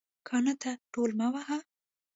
کاڼه ته ډول مه وهه